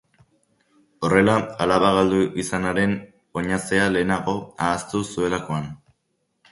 Horrela, alaba galdu izanaren oinazea lehenago ahaztuko zuelakoan...